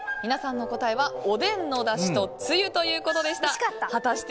皆さんの答えは、おでんのだしとつゆということでした。